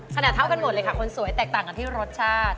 เท่ากันหมดเลยค่ะคนสวยแตกต่างกันที่รสชาติ